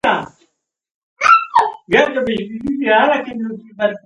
موږ د باندې ورته منتظر وو.